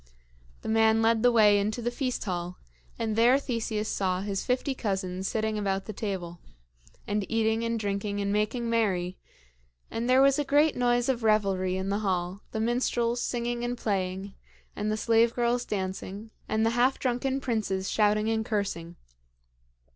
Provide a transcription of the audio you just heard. The man led the way into the feast hall, and there Theseus saw his fifty cousins sitting about the table, and eating and drinking and making merry; and there was a great noise of revelry in the hall, the minstrels singing and playing, and the slave girls dancing, and the half drunken princes shouting and cursing.